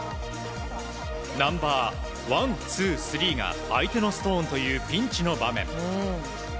ナンバー１、２、３が相手のストーンというピンチの場面。